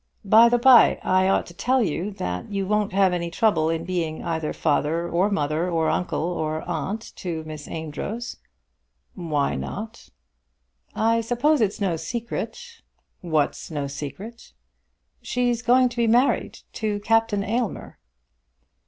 By the by, I ought to tell you that you won't have any trouble in being either father or mother, or uncle or aunt to Miss Amedroz." "Why not?" "I suppose it's no secret." "What's no secret?" "She's going to be married to Captain Aylmer."